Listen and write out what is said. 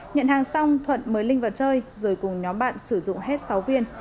nhận hàng xong thuận mới linh vào chơi rồi cùng nhóm bạn sử dụng hết sáu viên